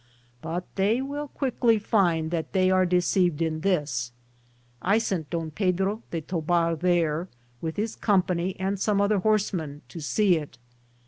But they will quickly find that they are deceived in this. I sent Don Pedro de Tobar there, with his company and soma other horsemen, to see it.